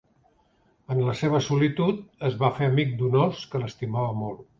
En la seva solitud es va fer amic d'un ós que l'estimava molt.